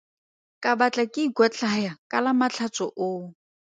Ka batla ke ikotlhaya ka Lamatlhatso oo.